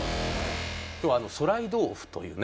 今日は『徂徠豆腐』というね。